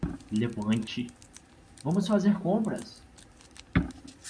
Levante?, vamos fazer compras.